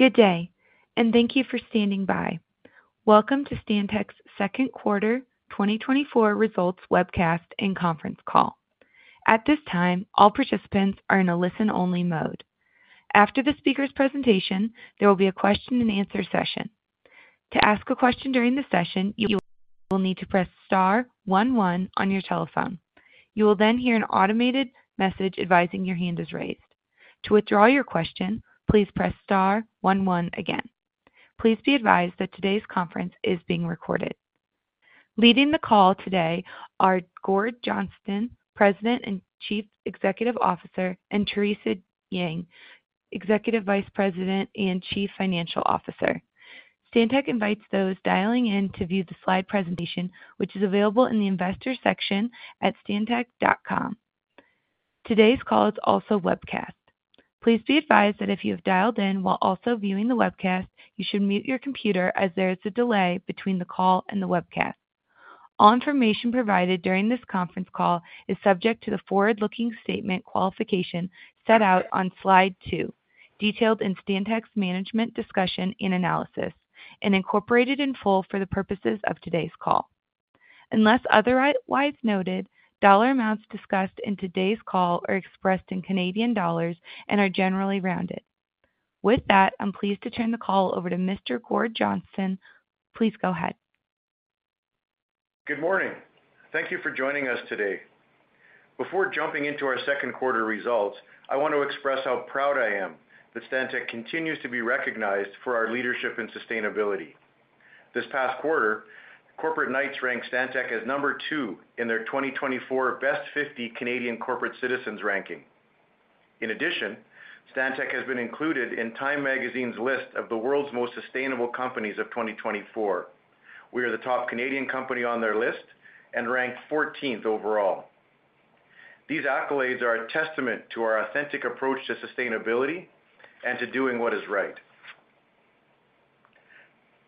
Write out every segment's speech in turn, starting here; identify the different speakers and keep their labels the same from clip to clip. Speaker 1: Good day, and thank you for standing by. Welcome to Stantec's second quarter, 2024 results webcast and conference call. At this time, all participants are in a listen-only mode. After the speaker's presentation, there will be a question-and-answer session. To ask a question during the session, you will need to press star one one on your telephone. You will then hear an automated message advising your hand is raised. To withdraw your question, please press star one one again. Please be advised that today's conference is being recorded. Leading the call today are Gord Johnston, President and Chief Executive Officer, and Theresa Jang, Executive Vice President and Chief Financial Officer. Stantec invites those dialing in to view the slide presentation, which is available in the Investors section at stantec.com. Today's call is also webcast. Please be advised that if you have dialed in while also viewing the webcast, you should mute your computer as there is a delay between the call and the webcast. All information provided during this conference call is subject to the forward-looking statement qualification set out on slide two, detailed in Stantec's management discussion and analysis, and incorporated in full for the purposes of today's call. Unless otherwise noted, dollar amounts discussed in today's call are expressed in Canadian dollars and are generally rounded. With that, I'm pleased to turn the call over to Mr. Gord Johnston. Please go ahead.
Speaker 2: Good morning. Thank you for joining us today. Before jumping into our second quarter results, I want to express how proud I am that Stantec continues to be recognized for our leadership and sustainability. This past quarter, Corporate Knights ranked Stantec as number two in their 2024 Best 50 Canadian Corporate Citizens ranking. In addition, Stantec has been included in TIME magazine's list of the world's most sustainable companies of 2024. We are the top Canadian company on their list and ranked 14th overall. These accolades are a testament to our authentic approach to sustainability and to doing what is right.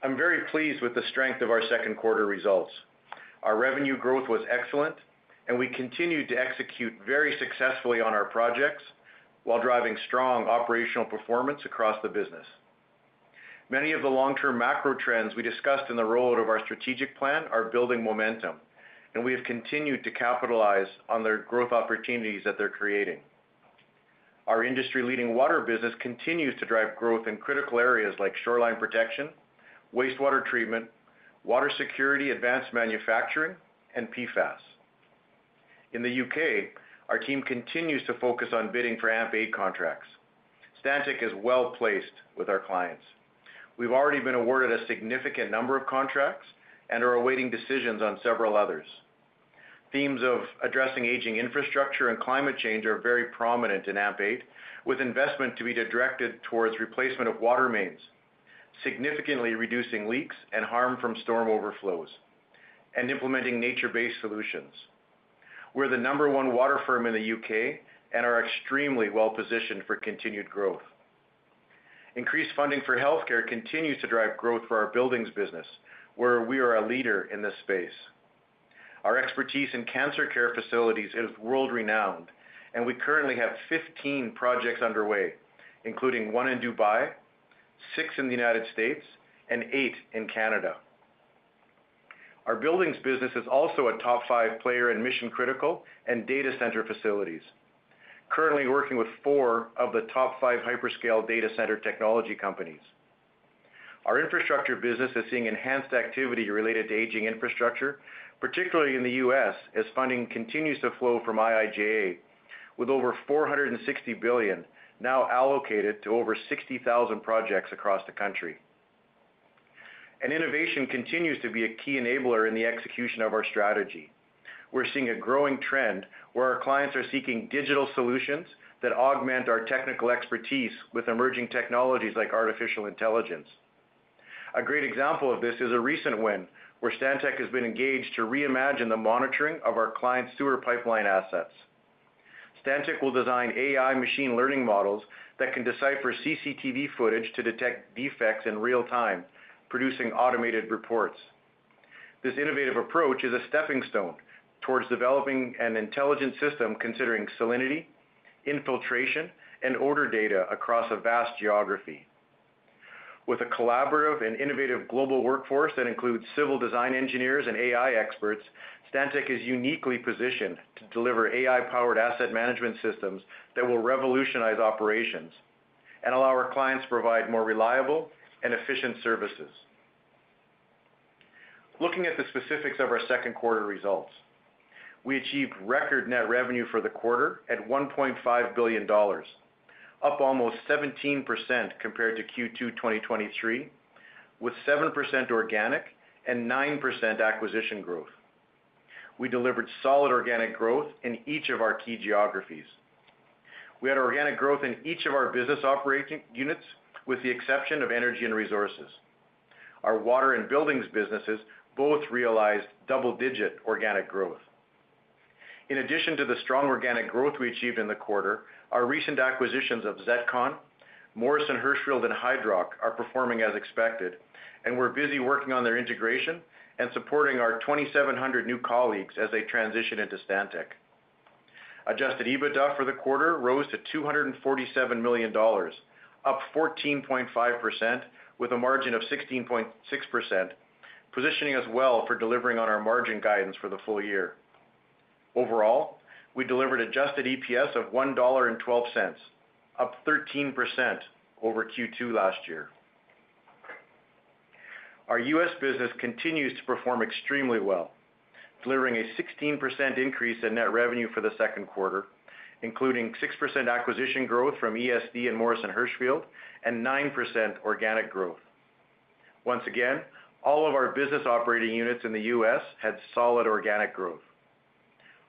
Speaker 2: I'm very pleased with the strength of our second quarter results. Our revenue growth was excellent, and we continued to execute very successfully on our projects while driving strong operational performance across the business. Many of the long-term macro trends we discussed in the roadmap of our strategic plan are building momentum, and we have continued to capitalize on their growth opportunities that they're creating. Our industry-leading water business continues to drive growth in critical areas like shoreline protection, wastewater treatment, water security, advanced manufacturing, and PFAS. In the U.K., our team continues to focus on bidding for AMP8 contracts. Stantec is well-placed with our clients. We've already been awarded a significant number of contracts and are awaiting decisions on several others. Themes of addressing aging infrastructure and climate change are very prominent in AMP8, with investment to be directed towards replacement of water mains, significantly reducing leaks and harm from storm overflows, and implementing nature-based solutions. We're the number one water firm in the U.K. and are extremely well-positioned for continued growth. Increased funding for healthcare continues to drive growth for our buildings business, where we are a leader in this space. Our expertise in cancer care facilities is world-renowned, and we currently have 15 projects underway, including one in Dubai, six in the United States, and eight in Canada. Our buildings business is also a top five player in mission-critical and data center facilities, currently working with four of the top five hyperscale data center technology companies. Our infrastructure business is seeing enhanced activity related to aging infrastructure, particularly in the U.S., as funding continues to flow from IIJA, with over $460 billion now allocated to over 60,000 projects across the country. Innovation continues to be a key enabler in the execution of our strategy. We're seeing a growing trend where our clients are seeking digital solutions that augment our technical expertise with emerging technologies like artificial intelligence. A great example of this is a recent win, where Stantec has been engaged to reimagine the monitoring of our client's sewer pipeline assets. Stantec will design AI machine learning models that can decipher CCTV footage to detect defects in real time, producing automated reports. This innovative approach is a stepping stone towards developing an intelligent system, considering salinity, infiltration, and order data across a vast geography. With a collaborative and innovative global workforce that includes civil design engineers and AI experts, Stantec is uniquely positioned to deliver AI-powered asset management systems that will revolutionize operations and allow our clients to provide more reliable and efficient services. Looking at the specifics of our second quarter results, we achieved record net revenue for the quarter at 1.5 billion dollars, up almost 17% compared to Q2 2023, with 7% organic and 9% acquisition growth. We delivered solid organic growth in each of our key geographies. We had organic growth in each of our business operating units, with the exception of energy and resources. Our water and buildings businesses both realized double-digit organic growth. In addition to the strong organic growth we achieved in the quarter, our recent acquisitions of ZETCON, Morrison Hershfield, and Hydrock are performing as expected, and we're busy working on their integration and supporting our 2,700 new colleagues as they transition into Stantec. Adjusted EBITDA for the quarter rose to 247 million dollars, up 14.5%, with a margin of 16.6%, positioning us well for delivering on our margin guidance for the full year. Overall, we delivered adjusted EPS of 1.12 dollar, up 13% over Q2 last year. Our U.S. business continues to perform extremely well, delivering a 16% increase in net revenue for the second quarter, including 6% acquisition growth from ESD and Morrison Hershfield, and 9% organic growth. Once again, all of our business operating units in the U.S. had solid organic growth.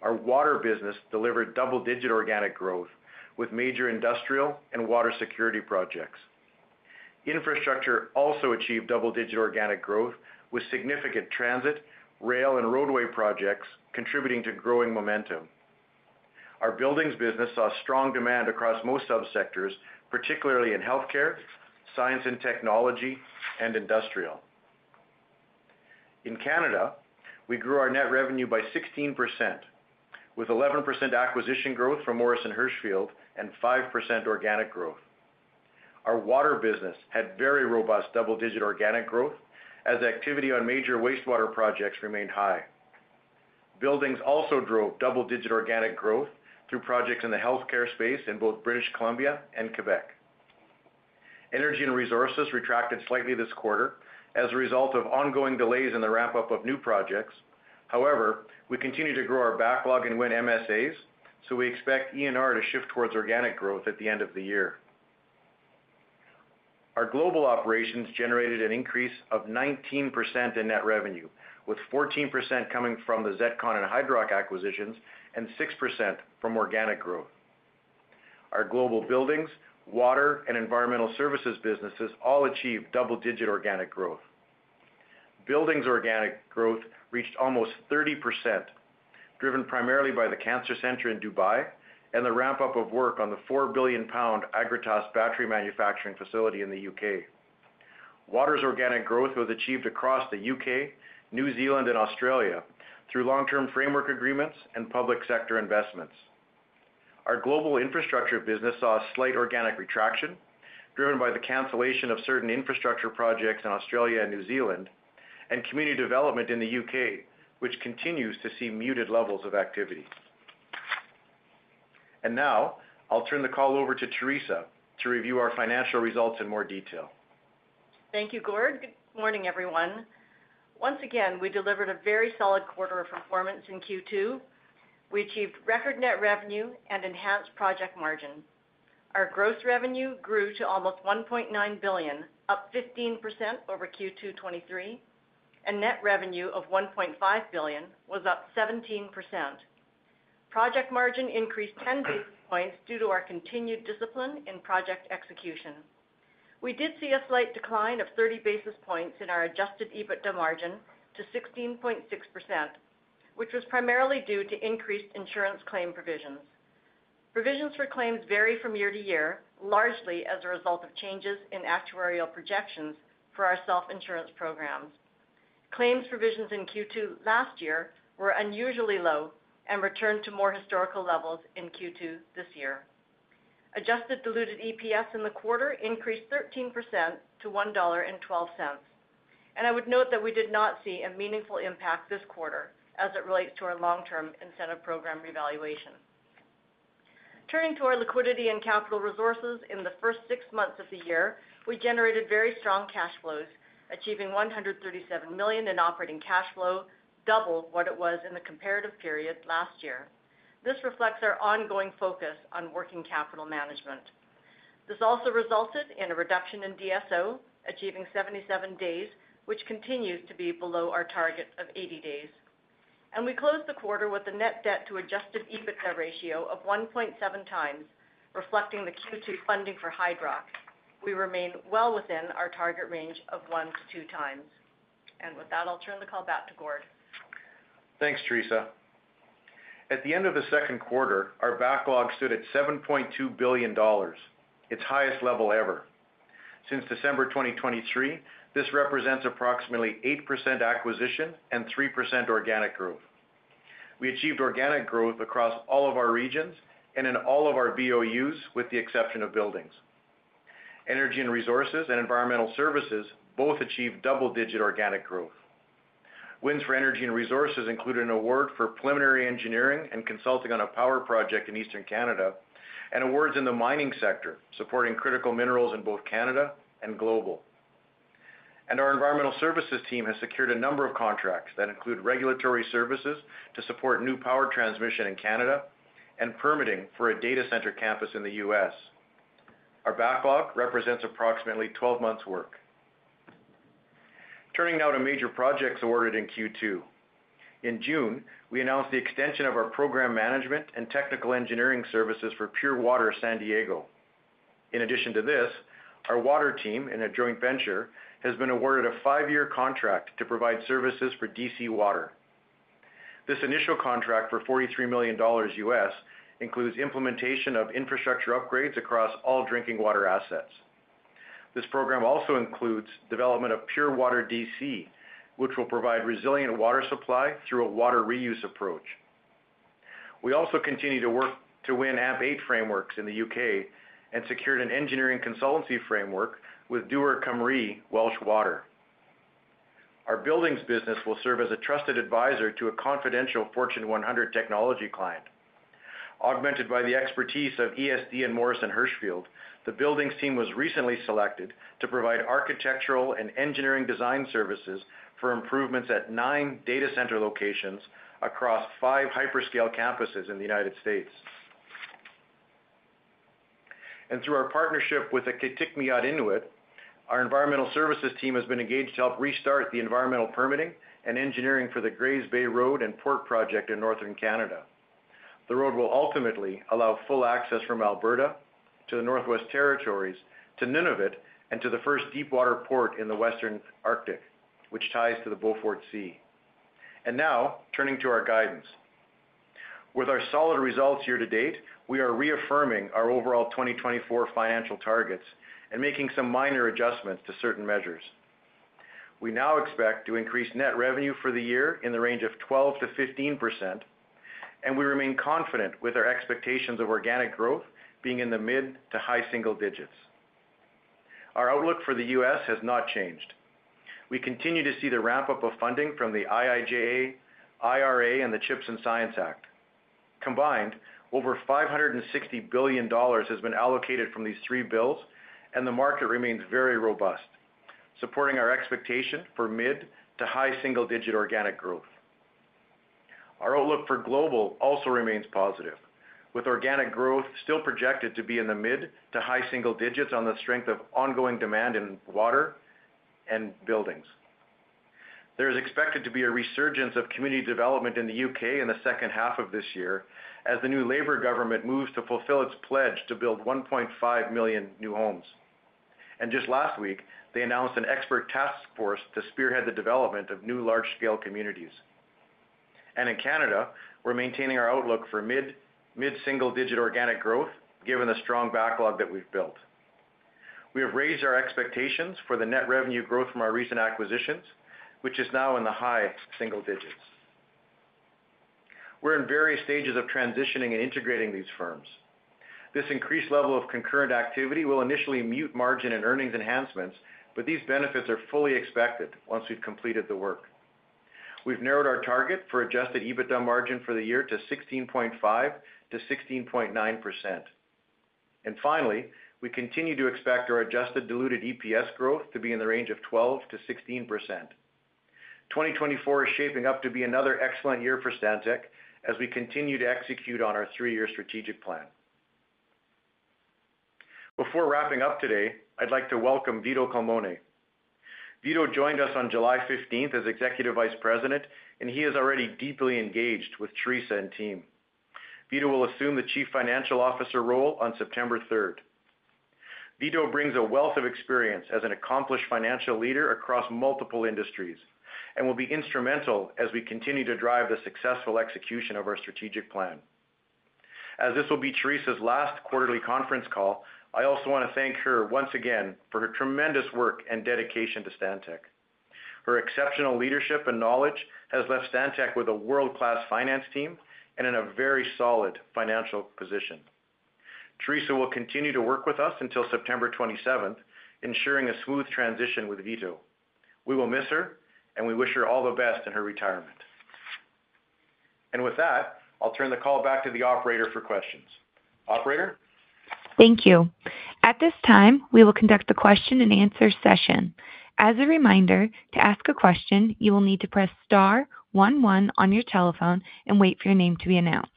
Speaker 2: Our water business delivered double-digit organic growth with major industrial and water security projects. Infrastructure also achieved double-digit organic growth, with significant transit, rail, and roadway projects contributing to growing momentum. Our buildings business saw strong demand across most subsectors, particularly in healthcare, science and technology, and industrial. In Canada, we grew our net revenue by 16%, with 11% acquisition growth from Morrison Hershfield and 5% organic growth. Our water business had very robust double-digit organic growth as activity on major wastewater projects remained high. Buildings also drove double-digit organic growth through projects in the healthcare space in both British Columbia and Quebec. Energy and resources retracted slightly this quarter as a result of ongoing delays in the ramp-up of new projects. However, we continue to grow our backlog and win MSAs, so we expect E&R to shift towards organic growth at the end of the year. Our global operations generated an increase of 19% in net revenue, with 14% coming from the ZETCON and Hydrock acquisitions and 6% from organic growth. Our global buildings, water, and environmental services businesses all achieved double-digit organic growth. Buildings organic growth reached almost 30%, driven primarily by the Cancer Center in Dubai and the ramp-up of work on the 4 billion pound Agratas battery manufacturing facility in the U.K.. Water's organic growth was achieved across the U.K., New Zealand, and Australia through long-term framework agreements and public sector investments. Our global infrastructure business saw a slight organic retraction, driven by the cancellation of certain infrastructure projects in Australia and New Zealand, and community development in the U.K., which continues to see muted levels of activity. Now, I'll turn the call over to Theresa to review our financial results in more detail.
Speaker 3: Thank you, Gord. Good morning, everyone. Once again, we delivered a very solid quarter of performance in Q2. We achieved record net revenue and enhanced project margin. Our gross revenue grew to almost 1.9 billion, up 15% over Q2 2023, and net revenue of 1.5 billion was up 17%. Project margin increased 10 basis points due to our continued discipline in project execution. We did see a slight decline of 30 basis points in our Adjusted EBITDA margin to 16.6%, which was primarily due to increased insurance claim provisions. Provisions for claims vary from year to year, largely as a result of changes in actuarial projections for our self-insurance programs. Claims provisions in Q2 last year were unusually low and returned to more historical levels in Q2 this year. Adjusted diluted EPS in the quarter increased 13% to 1.12 dollar, and I would note that we did not see a meaningful impact this quarter as it relates to our long-term incentive program revaluation. Turning to our liquidity and capital resources, in the first six months of the year, we generated very strong cash flows, achieving 137 million in operating cash flow, double what it was in the comparative period last year. This reflects our ongoing focus on working capital management. This also resulted in a reduction in DSO, achieving 77 days, which continues to be below our target of 80 days. We closed the quarter with a net debt to Adjusted EBITDA ratio of 1.7 times, reflecting the Q2 funding for Hydrock. We remain well within our target range of 1-2x. With that, I'll turn the call back to Gord.
Speaker 2: Thanks, Theresa. At the end of the second quarter, our backlog stood at $7.2 billion, its highest level ever. Since December 2023, this represents approximately 8% acquisition and 3% organic growth. We achieved organic growth across all of our regions and in all of our BOUs, with the exception of buildings. Energy and resources and environmental services both achieved double-digit organic growth. Wins for energy and resources include an award for preliminary engineering and consulting on a power project in Eastern Canada, and awards in the mining sector, supporting critical minerals in both Canada and global. Our environmental services team has secured a number of contracts that include regulatory services to support new power transmission in Canada and permitting for a data center campus in the U.S. Our backlog represents approximately 12 months' work. Turning now to major projects ordered in Q2. In June, we announced the extension of our program management and technical engineering services for Pure Water San Diego. In addition to this, our water team, in a joint venture, has been awarded a five-year contract to provide services for DC Water. This initial contract for $43 million includes implementation of infrastructure upgrades across all drinking water assets. This program also includes development of Pure Water DC, which will provide resilient water supply through a water reuse approach. We also continue to work to win AMP8 frameworks in the UK and secured an engineering consultancy framework with Dŵr Cymru Welsh Water. Our buildings business will serve as a trusted advisor to a confidential Fortune 100 technology client. Augmented by the expertise of ESD and Morrison Hershfield, the buildings team was recently selected to provide architectural and engineering design services for improvements at nine data center locations across five hyperscale campuses in the United States. And through our partnership with the Kitikmeot Inuit, our environmental services team has been engaged to help restart the environmental permitting and engineering for the Grays Bay Road and Port project in Northern Canada. The road will ultimately allow full access from Alberta to the Northwest Territories, to Nunavut, and to the first deepwater port in the Western Arctic, which ties to the Beaufort Sea. And now turning to our guidance. With our solid results year to date, we are reaffirming our overall 2024 financial targets and making some minor adjustments to certain measures. We now expect to increase net revenue for the year in the range of 12%-15%, and we remain confident with our expectations of organic growth being in the mid to high single digits. Our outlook for the U.S. has not changed. We continue to see the ramp-up of funding from the IIJA, IRA, and the CHIPS and Science Act. Combined, over $560 billion has been allocated from these three bills, and the market remains very robust, supporting our expectation for mid to high single-digit organic growth. Our outlook for global also remains positive, with organic growth still projected to be in the mid to high single digits on the strength of ongoing demand in water and buildings. There is expected to be a resurgence of community development in the U.K. in the second half of this year, as the new Labour government moves to fulfill its pledge to build 1.5 million new homes. Just last week, they announced an expert task force to spearhead the development of new large-scale communities. In Canada, we're maintaining our outlook for mid-single digit organic growth, given the strong backlog that we've built. We have raised our expectations for the net revenue growth from our recent acquisitions, which is now in the high single digits. We're in various stages of transitioning and integrating these firms. This increased level of concurrent activity will initially mute margin and earnings enhancements, but these benefits are fully expected once we've completed the work. We've narrowed our target for Adjusted EBITDA margin for the year to 16.5%-16.9%. Finally, we continue to expect our adjusted diluted EPS growth to be in the range of 12%-16%. 2024 is shaping up to be another excellent year for Stantec as we continue to execute on our three-year strategic plan. Before wrapping up today, I'd like to welcome Vito Culmone. Vito joined us on July fifteenth as Executive Vice President, and he is already deeply engaged with Theresa and team. Vito will assume the Chief Financial Officer role on September third. Vito brings a wealth of experience as an accomplished financial leader across multiple industries and will be instrumental as we continue to drive the successful execution of our strategic plan. As this will be Theresa's last quarterly conference call, I also want to thank her once again for her tremendous work and dedication to Stantec. Her exceptional leadership and knowledge has left Stantec with a world-class finance team and in a very solid financial position. Theresa will continue to work with us until September 27th, ensuring a smooth transition with Vito. We will miss her, and we wish her all the best in her retirement. And with that, I'll turn the call back to the operator for questions. Operator?
Speaker 1: Thank you. At this time, we will conduct a question-and-answer session. As a reminder, to ask a question, you will need to press star one one on your telephone and wait for your name to be announced.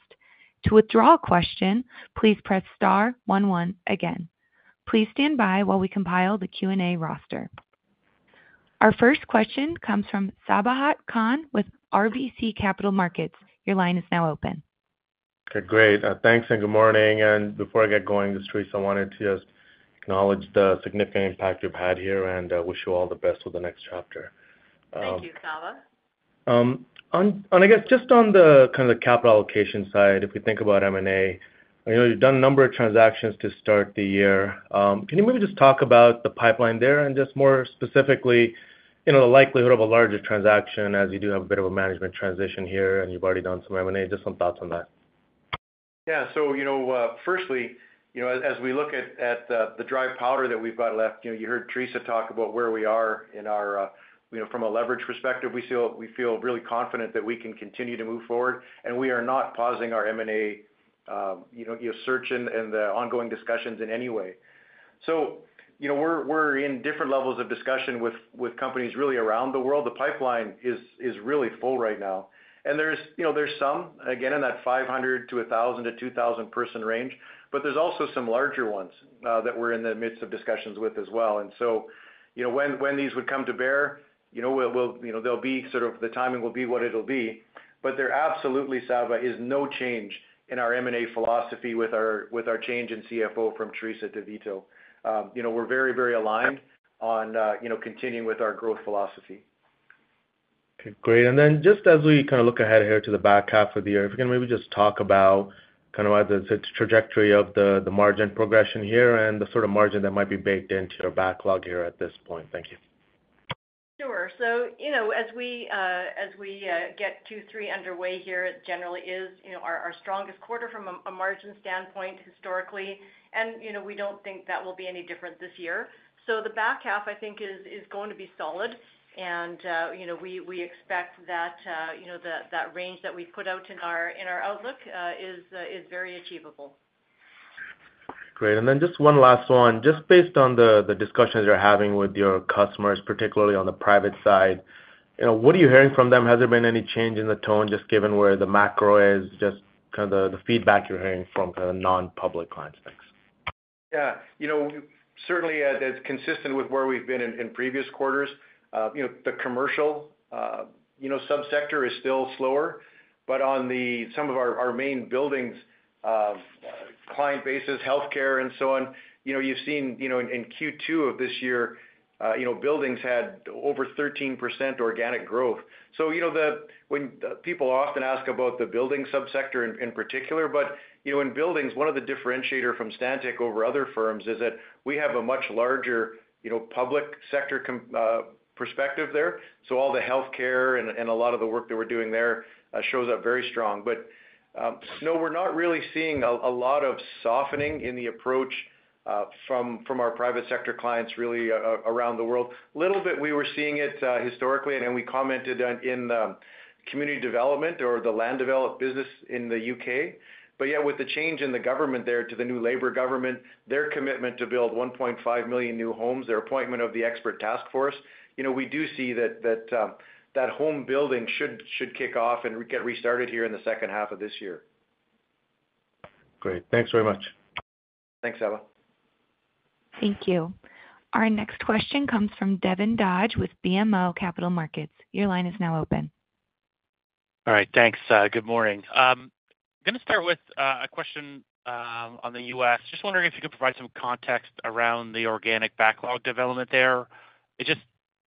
Speaker 1: To withdraw a question, please press star one one again. Please stand by while we compile the Q&A roster. Our first question comes from Sabahat Khan with RBC Capital Markets. Your line is now open.
Speaker 4: Okay, great. Thanks, and good morning. Before I get going, just Theresa, I wanted to just acknowledge the significant impact you've had here, and wish you all the best with the next chapter.
Speaker 2: Thank you, Saba.
Speaker 4: I guess just on the kind of the capital allocation side, if we think about M&A, I know you've done a number of transactions to start the year. Can you maybe just talk about the pipeline there and just more specifically, you know, the likelihood of a larger transaction as you do have a bit of a management transition here and you've already done some M&A, just some thoughts on that?
Speaker 2: Yeah. So, you know, firstly, you know, as, as we look at, at the, the dry powder that we've got left, you know, you heard Theresa talk about where we are in our, you know, from a leverage perspective, we feel, we feel really confident that we can continue to move forward, and we are not pausing our M&A, you know, the search and, and the ongoing discussions in any way. So, you know, we're, we're in different levels of discussion with, with companies really around the world. The pipeline is, is really full right now, and there's, you know, there's some, again, in that 500 to 1,000 to 2,000 person range, but there's also some larger ones, that we're in the midst of discussions with as well. So, you know, when these would come to bear, you know, we'll, you know, they'll be sort of the timing will be what it'll be. But there absolutely, Saba, is no change in our M&A philosophy with our change in CFO from Teresa to Vito. You know, we're very, very aligned on, you know, continuing with our growth philosophy....
Speaker 4: Okay, great. And then just as we kind of look ahead here to the back half of the year, if you can maybe just talk about kind of the, the trajectory of the, the margin progression here and the sort of margin that might be baked into your backlog here at this point? Thank you.
Speaker 3: Sure. So, you know, as we, as we, get two, three underway here, it generally is, you know, our, our strongest quarter from a, a margin standpoint historically. And, you know, we don't think that will be any different this year. So the back half, I think, is, is going to be solid. And, you know, we, we expect that, you know, the, that range that we've put out in our, in our outlook, is, is very achievable.
Speaker 4: Great. And then just one last one. Just based on the, the discussions you're having with your customers, particularly on the private side, you know, what are you hearing from them? Has there been any change in the tone, just given where the macro is, just kind of the, the feedback you're hearing from kind of non-public clients? Thanks.
Speaker 2: Yeah. You know, certainly, as consistent with where we've been in previous quarters, you know, the commercial subsector is still slower. But, some of our main buildings client bases, healthcare, and so on, you know, you've seen, you know, in Q2 of this year, you know, buildings had over 13% organic growth. So, you know, when people often ask about the building subsector in particular, but, you know, in buildings, one of the differentiator from Stantec over other firms is that we have a much larger, you know, public sector perspective there. So all the healthcare and a lot of the work that we're doing there shows up very strong. But, no, we're not really seeing a lot of softening in the approach from our private sector clients really around the world. A little bit, we were seeing it historically, and then we commented on in the community development or the land develop business in the UK. But yet with the change in the government there to the new labor government, their commitment to build 1.5 million new homes, their appointment of the expert task force, you know, we do see that home building should kick off and get restarted here in the second half of this year.
Speaker 4: Great. Thanks very much.
Speaker 2: Thanks, Ella.
Speaker 1: Thank you. Our next question comes from Devin Dodge with BMO Capital Markets. Your line is now open.
Speaker 5: All right. Thanks, good morning. I'm gonna start with a question on the U.S. Just wondering if you could provide some context around the organic backlog development there. It just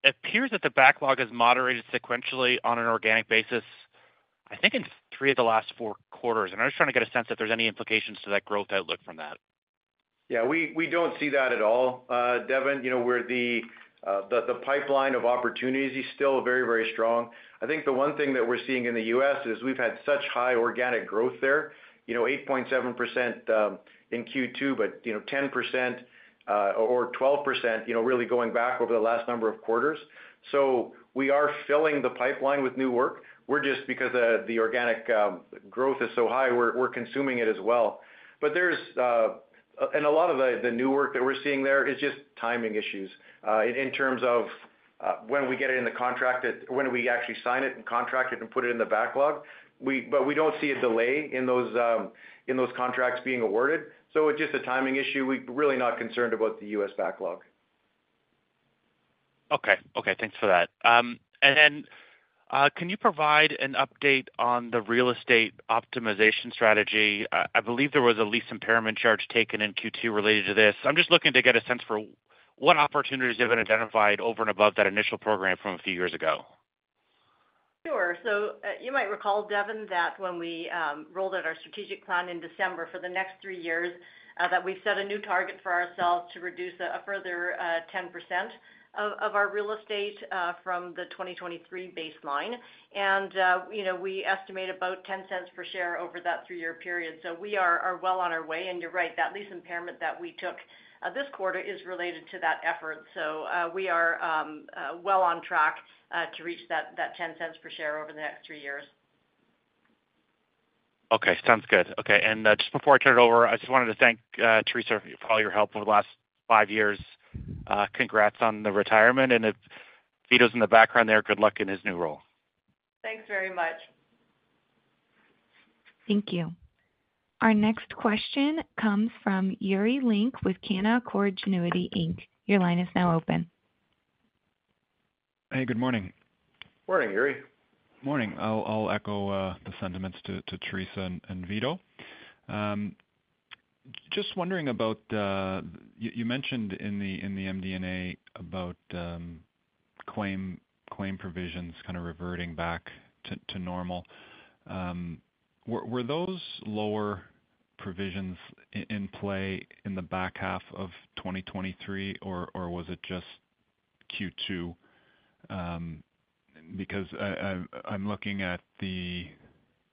Speaker 5: appears that the backlog has moderated sequentially on an organic basis, I think, in three of the last four quarters. And I'm just trying to get a sense if there's any implications to that growth outlook from that.
Speaker 2: Yeah, we don't see that at all, Devin. You know, where the pipeline of opportunities is still very, very strong. I think the one thing that we're seeing in the U.S. is we've had such high organic growth there, you know, 8.7% in Q2, but, you know, 10% or 12%, you know, really going back over the last number of quarters. So we are filling the pipeline with new work. We're just because the organic growth is so high, we're consuming it as well. But there's a lot of the new work that we're seeing there is just timing issues in terms of when we get it in the contract, when we actually sign it and contract it and put it in the backlog. But we don't see a delay in those, in those contracts being awarded, so it's just a timing issue. We're really not concerned about the U.S. backlog.
Speaker 5: Okay. Okay, thanks for that. And then, can you provide an update on the real estate optimization strategy? I believe there was a lease impairment charge taken in Q2 related to this. I'm just looking to get a sense for what opportunities you have identified over and above that initial program from a few years ago.
Speaker 3: Sure. So, you might recall, Devin, that when we rolled out our strategic plan in December for the next 3 years, that we set a new target for ourselves to reduce a further 10% of our real estate from the 2023 baseline. And, you know, we estimate about 0.10 per share over that 3-year period. So we are well on our way, and you're right, that lease impairment that we took this quarter is related to that effort. So, we are well on track to reach that 0.10 per share over the next 3 years.
Speaker 5: Okay. Sounds good. Okay, and just before I turn it over, I just wanted to thank Theresa for all your help over the last five years. Congrats on the retirement, and if Vito's in the background there, good luck in his new role.
Speaker 3: Thanks very much.
Speaker 1: Thank you. Our next question comes from Yuri Lynk with Canaccord Genuity. Your line is now open.
Speaker 6: Hey, good morning.
Speaker 2: Morning, Yuri.
Speaker 6: Morning. I'll echo the sentiments to Theresa and Vito. Just wondering about, you mentioned in the MD&A about claim provisions kind of reverting back to normal. Were those lower provisions in play in the back half of 2023, or was it just Q2? Because, I'm looking at the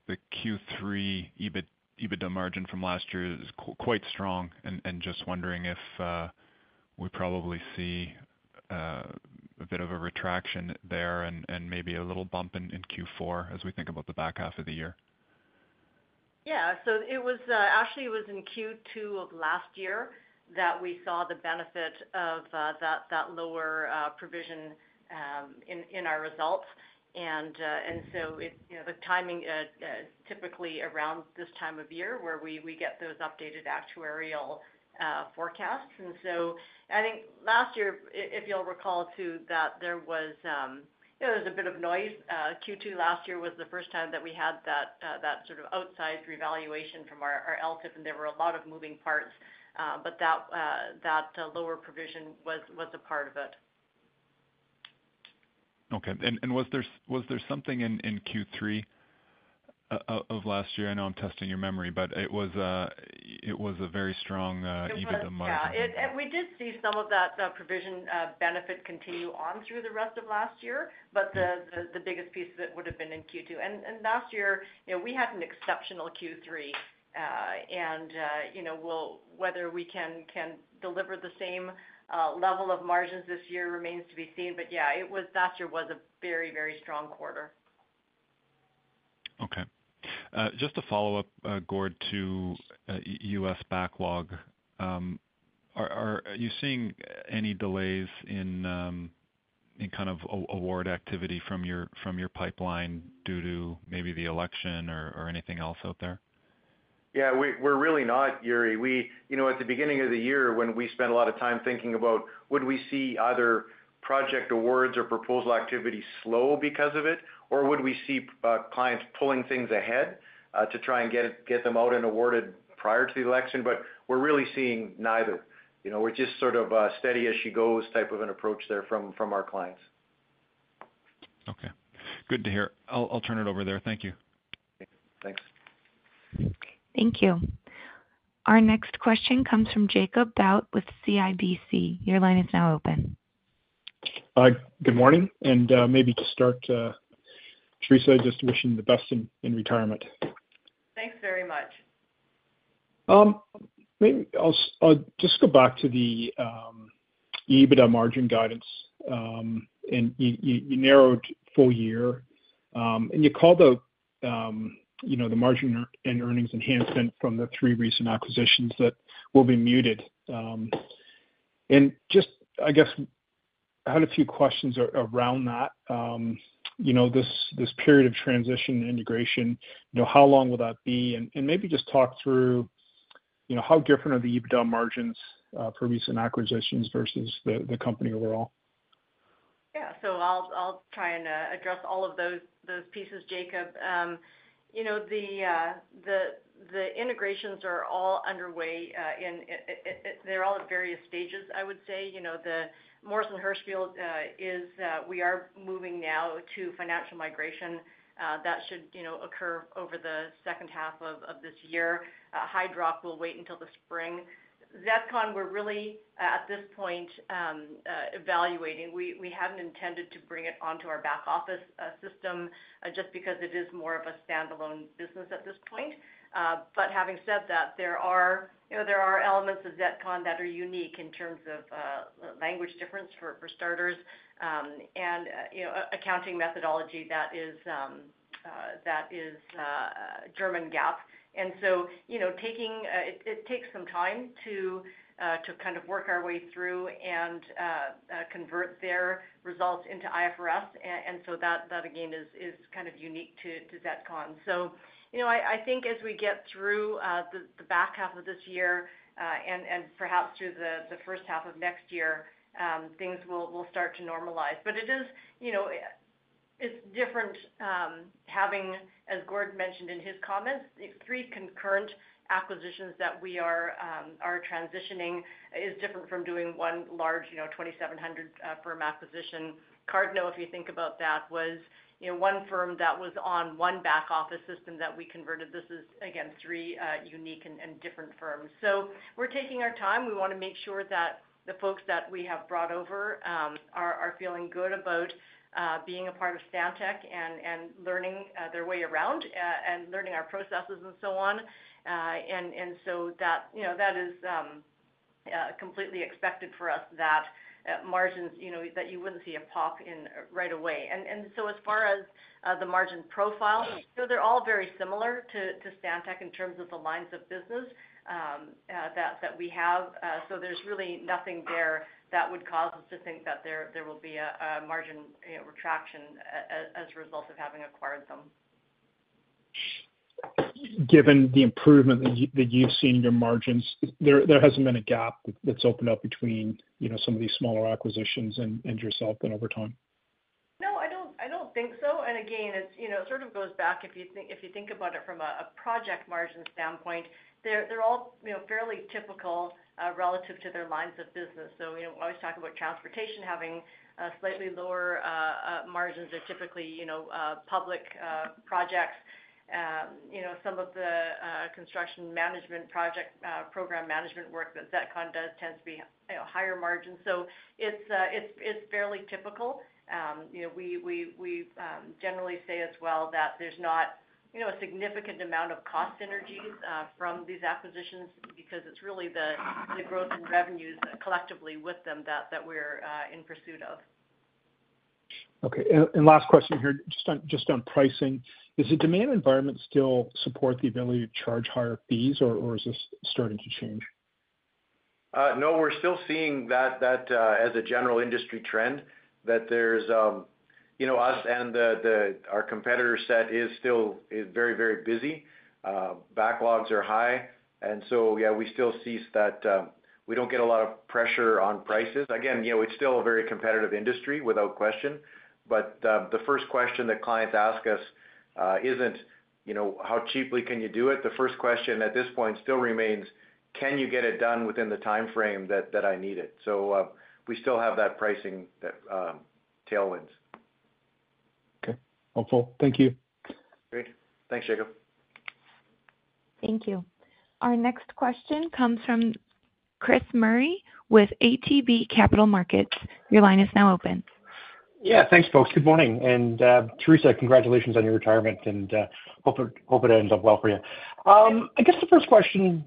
Speaker 6: Q3 EBIT, EBITDA margin from last year is quite strong and just wondering if we probably see a bit of a retraction there and maybe a little bump in Q4 as we think about the back half of the year.
Speaker 3: Yeah. So it was actually, it was in Q2 of last year that we saw the benefit of that lower provision in our results. And so it-- You know, the timing typically around this time of year, where we get those updated actuarial forecasts. And so I think last year, if you'll recall, too, that there was you know, there was a bit of noise. Q2 last year was the first time that we had that sort of outsized revaluation from our LTIP, and there were a lot of moving parts, but that lower provision was a part of it....
Speaker 6: Okay, and was there something in Q3 of last year? I know I'm testing your memory, but it was a very strong EBITDA margin.
Speaker 3: Yeah, and we did see some of that provision benefit continue on through the rest of last year, but the biggest piece of it would've been in Q2. Last year, you know, we had an exceptional Q3. You know, we'll whether we can deliver the same level of margins this year remains to be seen. But yeah, it was. Last year was a very, very strong quarter.
Speaker 6: Okay. Just to follow up, Gord, to U.S. backlog, are you seeing any delays in kind of award activity from your pipeline due to maybe the election or anything else out there?
Speaker 2: Yeah, we're really not, Yuri. You know, at the beginning of the year, when we spent a lot of time thinking about would we see either project awards or proposal activity slow because of it? Or would we see clients pulling things ahead to try and get them out and awarded prior to the election? But we're really seeing neither. You know, we're just sort of steady as she goes type of an approach there from our clients.
Speaker 6: Okay. Good to hear. I'll, I'll turn it over there. Thank you.
Speaker 2: Thanks.
Speaker 1: Thank you. Our next question comes from Jacob Bout with CIBC. Your line is now open.
Speaker 7: Good morning, and maybe to start, Theresa, just wishing you the best in retirement.
Speaker 3: Thanks very much.
Speaker 7: Maybe I'll just go back to the EBITDA margin guidance. And you narrowed full year, and you called out, you know, the margin and earnings enhancement from the three recent acquisitions that will be muted. And just, I guess, I had a few questions around that. You know, this period of transition and integration, you know, how long will that be? And maybe just talk through, you know, how different are the EBITDA margins for recent acquisitions versus the company overall?
Speaker 3: Yeah. So I'll try and address all of those pieces, Jacob. You know, the integrations are all underway, and they're all at various stages, I would say. You know, the Morrison Hershfield is we are moving now to financial migration, that should, you know, occur over the second half of this year. Hydrock, we'll wait until the spring. ZETCON, we're really at this point evaluating. We hadn't intended to bring it onto our back office system, just because it is more of a standalone business at this point. But having said that, there are, you know, there are elements of ZETCON that are unique in terms of language difference, for starters, and accounting methodology that is German GAAP. And so, you know, it takes some time to kind of work our way through and convert their results into IFRS, and so that again is kind of unique to ZETCON. So, you know, I think as we get through the back half of this year, and perhaps through the first half of next year, things will start to normalize. But it is, you know, it's different, having, as Gord mentioned in his comments, the three concurrent acquisitions that we are transitioning is different from doing one large, you know, 2,700-firm acquisition. Cardno, if you think about that, was, you know, one firm that was on one back office system that we converted. This is, again, three unique and different firms. So we're taking our time. We wanna make sure that the folks that we have brought over are feeling good about being a part of Stantec and learning their way around, and learning our processes and so on. And so that, you know, that is completely expected for us, that margins, you know, that you wouldn't see a pop in right away. As far as the margin profile, so they're all very similar to Stantec in terms of the lines of business that we have. So there's really nothing there that would cause us to think that there will be a margin, you know, retraction as a result of having acquired them.
Speaker 7: Given the improvement that you've seen in your margins, there hasn't been a gap that's opened up between, you know, some of these smaller acquisitions and yourself then over time?
Speaker 3: No, I don't, I don't think so. And again, it, you know, sort of goes back if you think about it from a project margin standpoint, they're all, you know, fairly typical relative to their lines of business. So, you know, we always talk about transportation having slightly lower margins than typically, you know, public projects. You know, some of the construction management project program management work that ZETCON does tends to be higher margin. So it's fairly typical. You know, we generally say as well that there's not, you know, a significant amount of cost synergies from these acquisitions because it's really the growth in revenues collectively with them that we're in pursuit of.
Speaker 7: Okay. And last question here, just on pricing: Does the demand environment still support the ability to charge higher fees, or is this starting to change?
Speaker 2: No, we're still seeing that as a general industry trend, that there's, you know, us and the our competitor set is still very, very busy. Backlogs are high, and so yeah, we still see that, we don't get a lot of pressure on prices. Again, you know, it's still a very competitive industry, without question, but the first question that clients ask us isn't, you know, "How cheaply can you do it?" The first question at this point still remains: "Can you get it done within the timeframe that I need it?" So, we still have that pricing tailwinds....
Speaker 7: Okay, helpful. Thank you.
Speaker 2: Great. Thanks, Jacob.
Speaker 1: Thank you. Our next question comes from Chris Murray with ATB Capital Markets. Your line is now open.
Speaker 8: Yeah, thanks, folks. Good morning, and Theresa, congratulations on your retirement, and hope it, hope it ends up well for you. I guess the first question,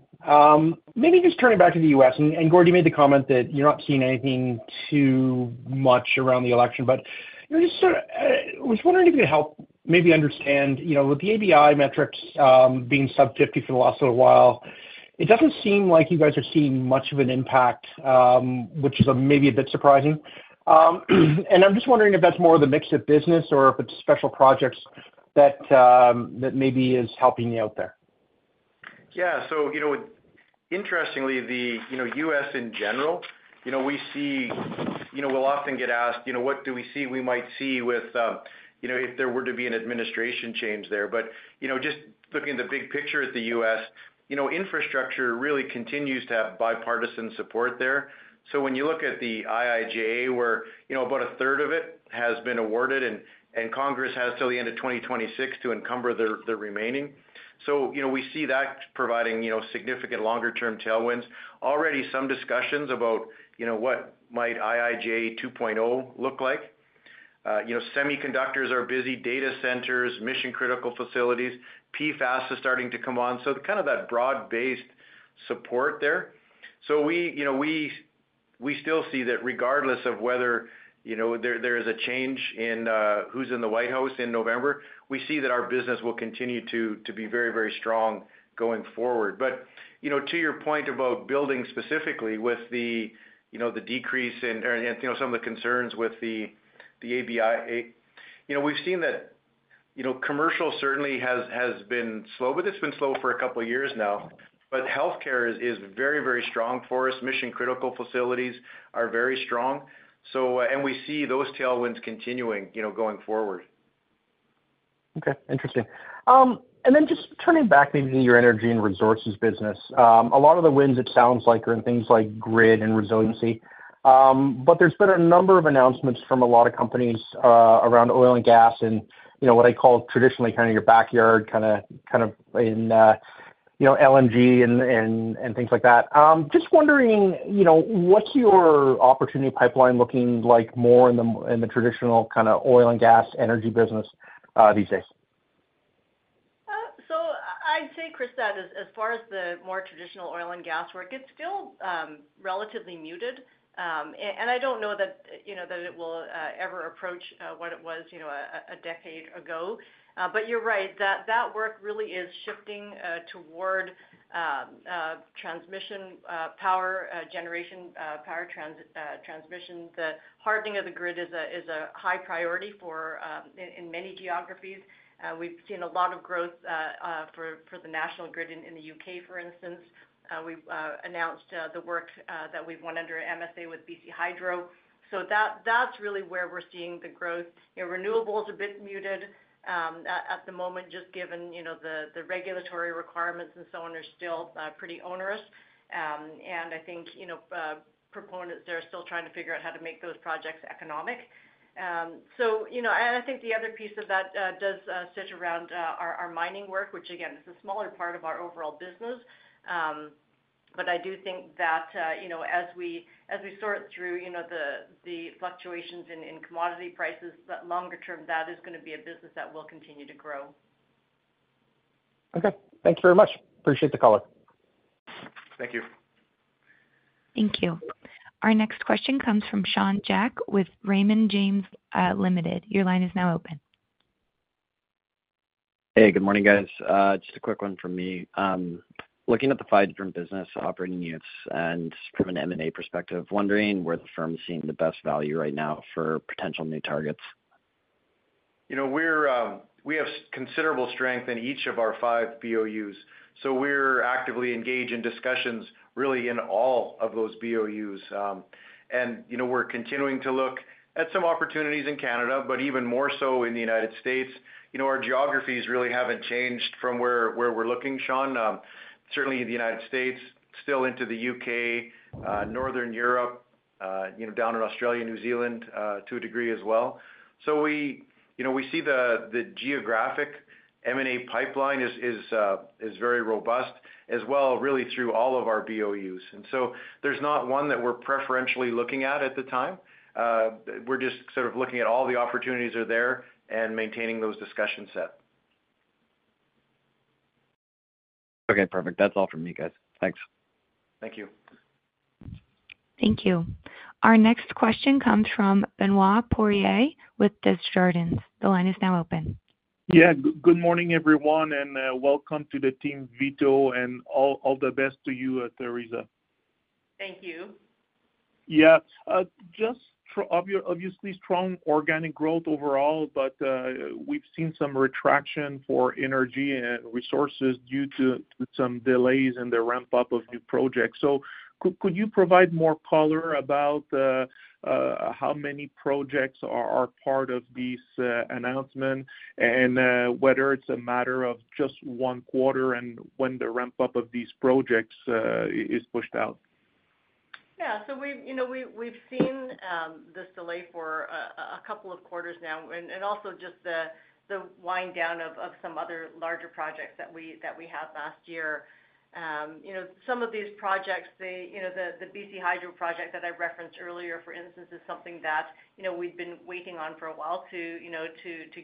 Speaker 8: maybe just turning back to the U.S., and Gord, you made the comment that you're not seeing anything too much around the election. But just was wondering if you could help maybe understand, you know, with the ABI metrics being sub 50 for the last little while, it doesn't seem like you guys are seeing much of an impact, which is maybe a bit surprising. And I'm just wondering if that's more of the mix of business or if it's special projects that that maybe is helping you out there?
Speaker 9: Yeah. So, you know, interestingly, the, you know, U.S. in general, you know, we see-- you know, we'll often get asked, you know, what do we see we might see with, you know, if there were to be an administration change there. But, you know, just looking at the big picture at the U.S., you know, infrastructure really continues to have bipartisan support there. So when you look at the IIJA, where, you know, about a third of it has been awarded and Congress has till the end of 2026 to encumber the remaining. So, you know, we see that providing, you know, significant longer term tailwinds. Already some discussions about, you know, what might IIJA 2.0 look like. You know, semiconductors are busy, data centers, mission-critical facilities, PFAS is starting to come on, so kind of that broad-based support there. So we, you know, we still see that regardless of whether, you know, there is a change in who's in the White House in November, we see that our business will continue to be very, very strong going forward. But, you know, to your point about building specifically with the, you know, the decrease in and you know some of the concerns with the ABI. You know, we've seen that, you know, commercial certainly has been slow, but it's been slow for a couple of years now. But healthcare is very, very strong for us. Mission-critical facilities are very strong. So we see those tailwinds continuing, you know, going forward. Okay. Interesting. And then just turning back maybe to your energy and resources business. A lot of the wins it sounds like are in things like grid and resiliency. But there's been a number of announcements from a lot of companies around oil and gas and, you know, what I call traditionally kind of your backyard, kinda, kind of in, you know, LNG and things like that. Just wondering, you know, what's your opportunity pipeline looking like more in the m- in the traditional kind of oil and gas energy business these days?
Speaker 3: So I'd say, Chris, that as far as the more traditional oil and gas work, it's still relatively muted. And I don't know that, you know, that it will ever approach what it was, you know, a decade ago. But you're right, that work really is shifting toward transmission, power generation, power transmission. The hardening of the grid is a high priority in many geographies. We've seen a lot of growth for the National Grid in the U.K., for instance. We've announced the work that we've won under MSA with BC Hydro. So that's really where we're seeing the growth. You know, renewables are a bit muted at the moment, just given, you know, the regulatory requirements and so on are still pretty onerous. And I think, you know, proponents are still trying to figure out how to make those projects economic. So, you know, I think the other piece of that does sit around our mining work, which again, is a smaller part of our overall business. But I do think that, you know, as we sort through, you know, the fluctuations in commodity prices, but longer term, that is gonna be a business that will continue to grow.
Speaker 8: Okay. Thank you very much. Appreciate the call.
Speaker 2: Thank you.
Speaker 1: Thank you. Our next question comes from Sean Jack with Raymond James Limited. Your line is now open.
Speaker 10: Hey, good morning, guys. Just a quick one from me. Looking at the five different business operating units and from an M&A perspective, wondering where the firm is seeing the best value right now for potential new targets?
Speaker 2: You know, we have considerable strength in each of our five BOUs, so we're actively engaged in discussions really in all of those BOUs. You know, we're continuing to look at some opportunities in Canada, but even more so in the United States. You know, our geographies really haven't changed from where we're looking, Sean. Certainly in the United States, still into the U.K., Northern Europe, you know, down in Australia, New Zealand, to a degree as well. So we, you know, we see the geographic M&A pipeline is very robust as well, really through all of our BOUs. And so there's not one that we're preferentially looking at at the time. We're just sort of looking at all the opportunities are there and maintaining those discussions set.
Speaker 10: Okay, perfect. That's all from me, guys. Thanks.
Speaker 2: Thank you.
Speaker 1: Thank you. Our next question comes from Benoit Poirier with Desjardins. The line is now open.
Speaker 11: Yeah, good morning, everyone, and welcome to the team, Vito, and all the best to you, Theresa.
Speaker 3: Thank you.
Speaker 11: Yeah. Just obviously, strong organic growth overall, but we've seen some retraction for energy and resources due to some delays in the ramp up of new projects. So could you provide more color about how many projects are part of this announcement, and whether it's a matter of just one quarter and when the ramp up of these projects is pushed out? ...
Speaker 3: Yeah, so we've, you know, we've seen this delay for a couple of quarters now, and also just the wind down of some other larger projects that we had last year. You know, some of these projects, you know, the BC Hydro project that I referenced earlier, for instance, is something that, you know, we've been waiting on for a while to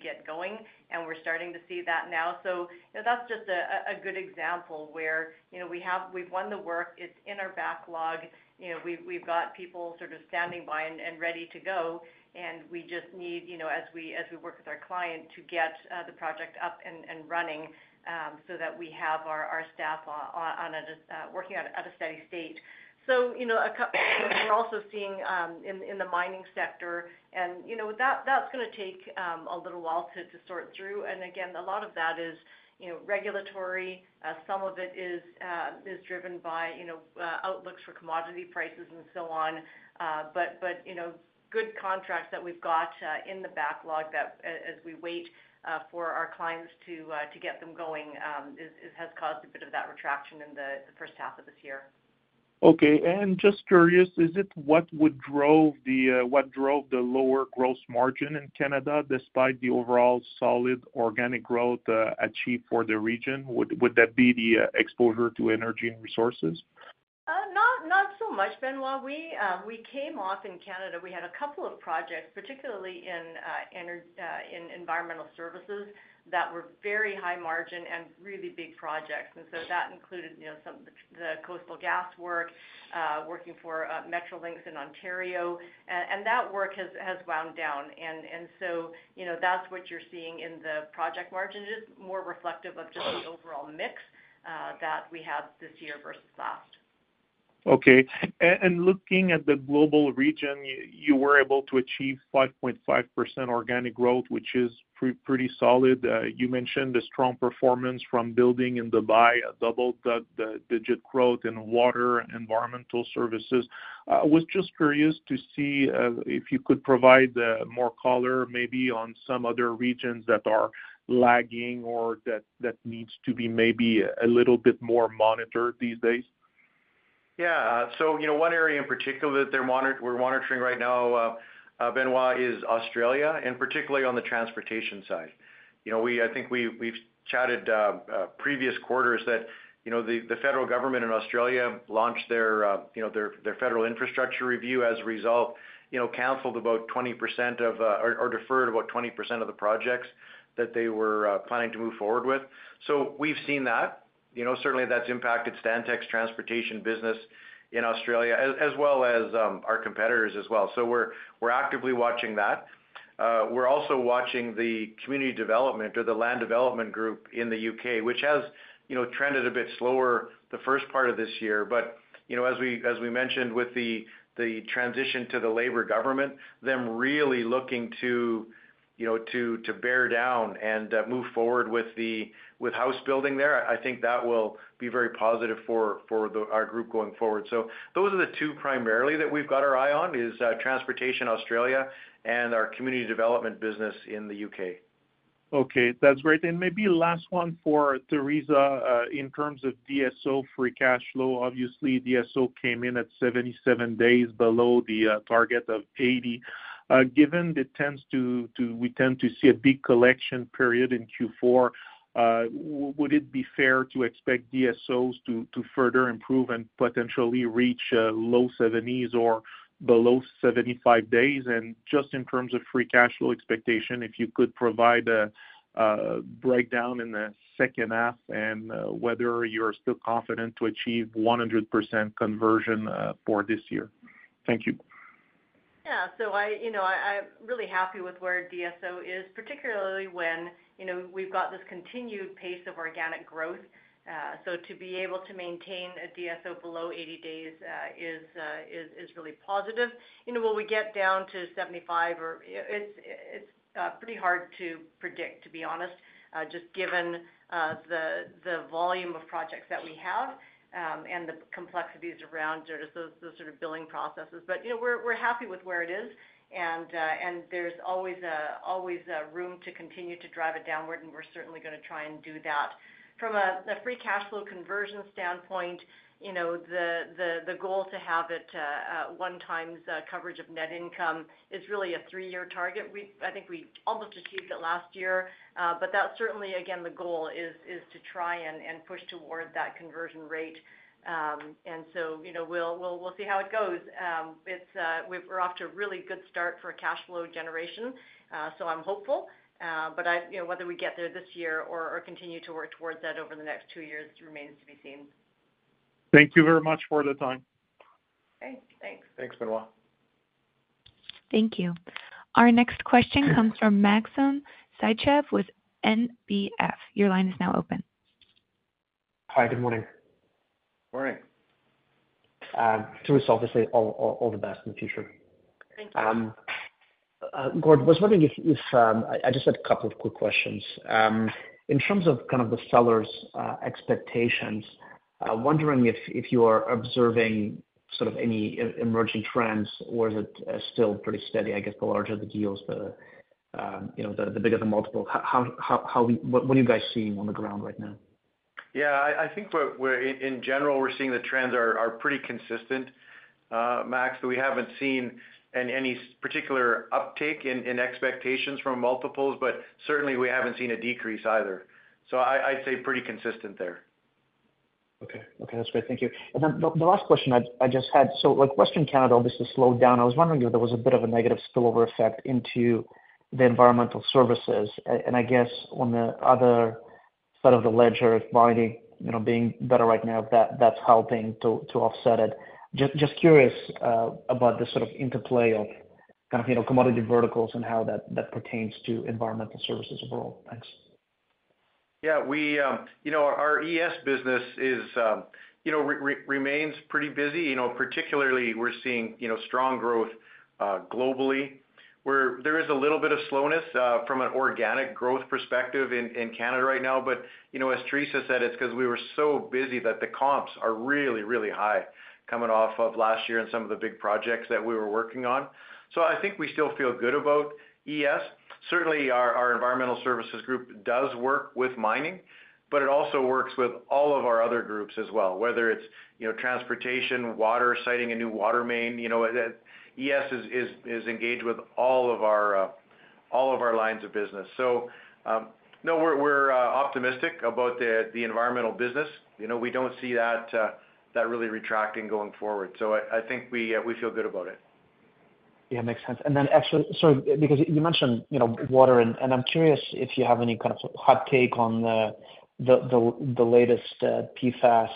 Speaker 3: get going, and we're starting to see that now. So, you know, that's just a good example where, you know, we have—we've won the work, it's in our backlog, you know, we've, we've got people sort of standing by and ready to go, and we just need, you know, as we work with our client, to get the project up and running, so that we have our staff on, just working at a steady state. So, you know, we're also seeing in the mining sector, and, you know, that, that's gonna take a little while to sort through. And again, a lot of that is, you know, regulatory. Some of it is driven by, you know, outlooks for commodity prices and so on. But, you know, good contracts that we've got in the backlog that as we wait for our clients to get them going has caused a bit of that retraction in the first half of this year.
Speaker 11: Okay. And just curious, is it what would drove the, what drove the lower gross margin in Canada, despite the overall solid organic growth, achieved for the region? Would, would that be the, exposure to energy and resources?
Speaker 3: Not so much, Benoit. We, we came off in Canada, we had a couple of projects, particularly in, in environmental services, that were very high margin and really big projects. And so that included, you know, some of the, the coastal gas work, working for, Metrolinx in Ontario. And that work has wound down. And so, you know, that's what you're seeing in the project margins. It is more reflective of just the overall mix, that we have this year versus last.
Speaker 11: Okay. Looking at the global region, you were able to achieve 5.5% organic growth, which is pretty solid. You mentioned the strong performance from building in Dubai, a double-digit growth in water and environmental services. I was just curious to see if you could provide more color, maybe on some other regions that are lagging or that needs to be maybe a little bit more monitored these days.
Speaker 2: Yeah, so, you know, one area in particular that we're monitoring right now, Benoit, is Australia, and particularly on the transportation side. You know, I think we, we've chatted previous quarters that, you know, the federal government in Australia launched their federal infrastructure review. As a result, you know, canceled about 20% of, or deferred about 20% of the projects that they were planning to move forward with. So we've seen that, you know, certainly that's impacted Stantec's transportation business in Australia, as well as our competitors as well. So we're actively watching that. We're also watching the community development or the land development group in the U.K., which has, you know, trended a bit slower the first part of this year. But, you know, as we mentioned with the transition to the Labour government, them really looking to, you know, to bear down and move forward with the house building there, I think that will be very positive for our group going forward. So those are the two primarily that we've got our eye on, is transportation Australia and our community development business in the U.K..
Speaker 11: Okay, that's great. And maybe last one for Theresa. In terms of DSO free cash flow, obviously DSO came in at 77 days below the target of 80. Given it tends to, we tend to see a big collection period in Q4, would it be fair to expect DSOs to further improve and potentially reach low 70s or below 75 days? And just in terms of free cash flow expectation, if you could provide a breakdown in the second half and whether you're still confident to achieve 100% conversion for this year. Thank you.
Speaker 3: Yeah. So, you know, I'm really happy with where DSO is, particularly when, you know, we've got this continued pace of organic growth. So to be able to maintain a DSO below 80 days is really positive. You know, will we get down to 75 or... It's pretty hard to predict, to be honest, just given the volume of projects that we have and the complexities around just those sort of billing processes. But, you know, we're happy with where it is, and there's always room to continue to drive it downward, and we're certainly gonna try and do that. From a free cash flow conversion standpoint, you know, the goal to have it 1 times coverage of net income is really a 3-year target. I think we almost achieved it last year, but that's certainly, again, the goal is to try and push toward that conversion rate. And so, you know, we'll see how it goes. We're off to a really good start for cash flow generation, so I'm hopeful. You know, whether we get there this year or continue to work towards that over the next 2 years remains to be seen.
Speaker 11: Thank you very much for the time.
Speaker 3: Okay, thanks.
Speaker 2: Thanks, Benoit.
Speaker 1: Thank you. Our next question comes from Maxim Sytchev with NBF. Your line is now open.
Speaker 12: Hi, good morning.
Speaker 2: Morning.
Speaker 12: Theresa, obviously, all the best in the future.
Speaker 3: Thank you.
Speaker 12: Gord, I was wondering if I just had a couple of quick questions. In terms of kind of the sellers expectations, wondering if you are observing sort of any emerging trends, or is it still pretty steady? I guess the larger the deals, the, you know, the bigger the multiple. What are you guys seeing on the ground right now?...
Speaker 2: Yeah, I think what we're in general, we're seeing the trends are pretty consistent, Max. We haven't seen any particular uptick in expectations from multiples, but certainly we haven't seen a decrease either. So I'd say pretty consistent there.
Speaker 12: Okay. Okay, that's great. Thank you. And then the last question I just had, so like Western Canada, obviously slowed down. I was wondering if there was a bit of a negative spillover effect into the environmental services. And I guess on the other side of the ledger, mining, you know, being better right now, that's helping to offset it. Just curious about the sort of interplay of kind of, you know, commodity verticals and how that pertains to environmental services overall. Thanks.
Speaker 2: Yeah, we, you know, our ES business is, you know, remains pretty busy. You know, particularly we're seeing, you know, strong growth, globally, where there is a little bit of slowness, from an organic growth perspective in Canada right now. But, you know, as Theresa said, it's because we were so busy that the comps are really, really high coming off of last year and some of the big projects that we were working on. So I think we still feel good about ES. Certainly, our environmental services group does work with mining, but it also works with all of our other groups as well, whether it's, you know, transportation, water, siting a new water main, you know, that ES is engaged with all of our lines of business. So, no, we're optimistic about the environmental business. You know, we don't see that really retracting going forward. So I think we feel good about it.
Speaker 12: Yeah, makes sense. And then actually, so because you mentioned, you know, water, and I'm curious if you have any kind of hot take on the latest PFAS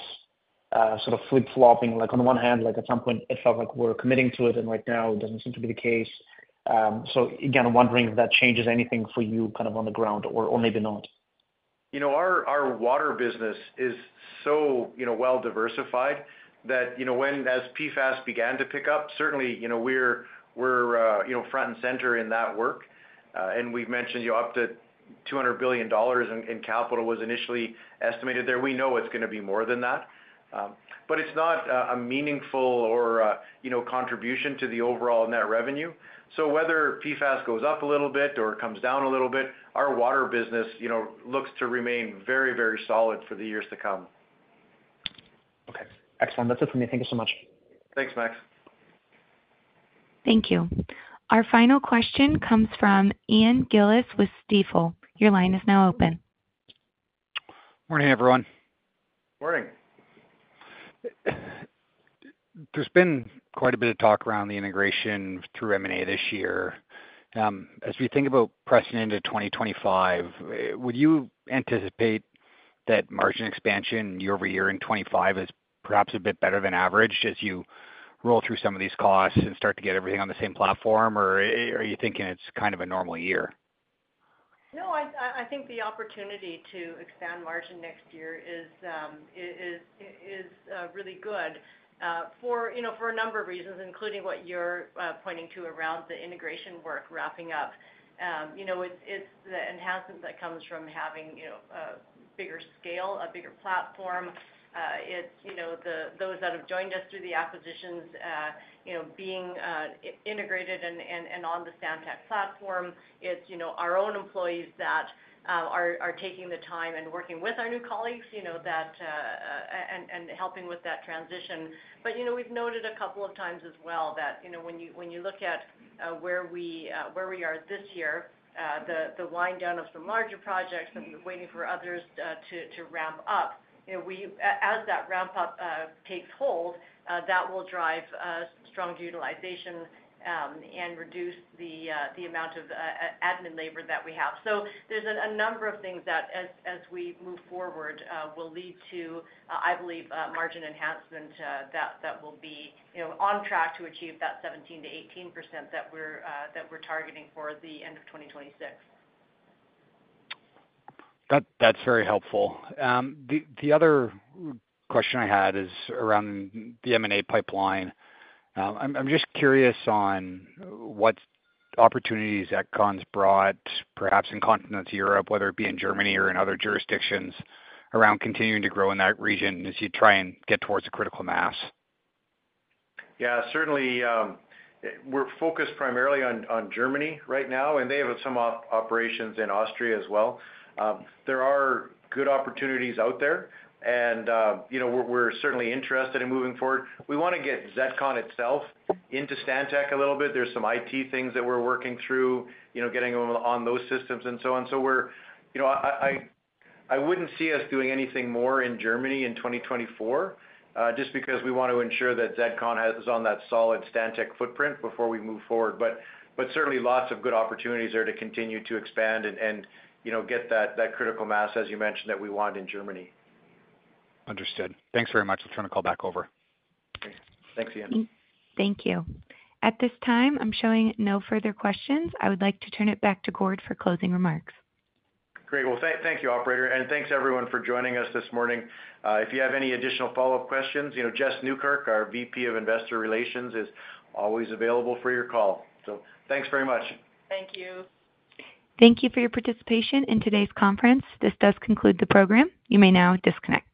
Speaker 12: sort of flip-flopping. Like, on one hand, like at some point, it felt like we're committing to it, and right now, it doesn't seem to be the case. So again, I'm wondering if that changes anything for you kind of on the ground or maybe not.
Speaker 2: You know, our water business is so, you know, well diversified that, you know, when, as PFAS began to pick up, certainly, you know, we're front and center in that work. We've mentioned, you know, up to $200 billion in capital was initially estimated there. We know it's gonna be more than that, but it's not a meaningful or, you know, contribution to the overall net revenue. So whether PFAS goes up a little bit or it comes down a little bit, our water business, you know, looks to remain very, very solid for the years to come.
Speaker 12: Okay, excellent. That's it for me. Thank you so much.
Speaker 2: Thanks, Max.
Speaker 1: Thank you. Our final question comes from Ian Gillies with Stifel. Your line is now open.
Speaker 13: Morning, everyone.
Speaker 2: Morning.
Speaker 13: There's been quite a bit of talk around the integration through M&A this year. As we think about pressing into 2025, would you anticipate that margin expansion year over year in 2025 is perhaps a bit better than average as you roll through some of these costs and start to get everything on the same platform? Or are you thinking it's kind of a normal year?
Speaker 3: No, I think the opportunity to expand margin next year is really good, you know, for a number of reasons, including what you're pointing to around the integration work wrapping up. You know, it's the enhancement that comes from having, you know, a bigger scale, a bigger platform. It's, you know, those that have joined us through the acquisitions, you know, being integrated and on the Stantec platform. It's, you know, our own employees that are taking the time and working with our new colleagues, you know, that and helping with that transition. But, you know, we've noted a couple of times as well that, you know, when you, when you look at, where we, where we are this year, the, the wind down of some larger projects and waiting for others, to, to ramp up, you know, we... As that ramp up, takes hold, that will drive, strong utilization, and reduce the, the amount of, admin labor that we have. So there's a, a number of things that as, as we move forward, will lead to, I believe, a margin enhancement, that, that will be, you know, on track to achieve that 17%-18% that we're, that we're targeting for the end of 2026.
Speaker 13: That, that's very helpful. The other question I had is around the M&A pipeline. I'm just curious on what opportunities that ZETCON brought, perhaps in continental Europe, whether it be in Germany or in other jurisdictions, around continuing to grow in that region as you try and get towards the critical mass.
Speaker 2: Yeah, certainly, we're focused primarily on Germany right now, and they have some operations in Austria as well. There are good opportunities out there, and, you know, we're certainly interested in moving forward. We wanna get ZETCON itself into Stantec a little bit. There's some IT things that we're working through, you know, getting them on those systems and so on. So we're you know, I wouldn't see us doing anything more in Germany in 2024, just because we want to ensure that ZETCON is on that solid Stantec footprint before we move forward. But certainly lots of good opportunities there to continue to expand and, you know, get that critical mass, as you mentioned, that we want in Germany.
Speaker 13: Understood. Thanks very much. I'll turn the call back over.
Speaker 2: Thanks, Ian.
Speaker 1: Thank you. At this time, I'm showing no further questions. I would like to turn it back to Gord for closing remarks.
Speaker 2: Great. Well, thank you, operator, and thanks everyone for joining us this morning. If you have any additional follow-up questions, you know, Jess Nieukerk, our VP of Investor Relations, is always available for your call. So thanks very much.
Speaker 3: Thank you.
Speaker 1: Thank you for your participation in today's conference. This does conclude the program. You may now disconnect.